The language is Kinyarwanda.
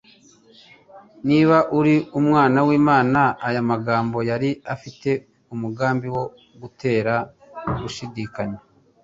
"niba uri Umwana w'Imana". Aya magambo yari afite umugambi wo gutera gushidikanya.